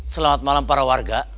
selamat malam para warga